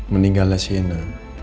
meninggallah si enda